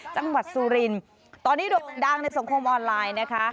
จังหวัดสุรินตอนนี้ดังในสังคมออนไลน์นะคะ